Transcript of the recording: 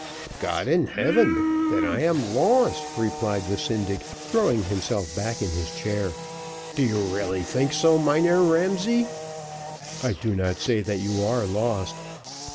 "God in heaven! then I am lost," replied the syndic, throwing himself back in his chair. "Do you really think so, Mynheer Ramsay?" "I do not say that you are lost.